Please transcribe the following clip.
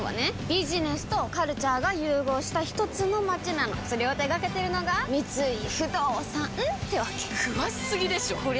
ビジネスとカルチャーが融合したひとつの街なのそれを手掛けてるのが三井不動産ってわけ詳しすぎでしょこりゃ